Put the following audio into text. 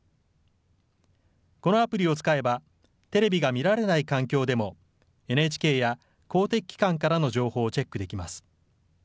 このアプリを使えば、テレビが見られない環境でも、ＮＨＫや公的機関からの情報をチェックできます。